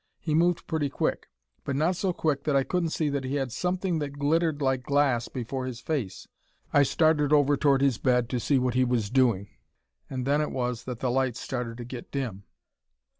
He moved pretty quick, but not so quick that I couldn't see that he had something that glittered like glass before his face. I started over toward his bed to see what he was doing and then it was that the lights started to get dim!"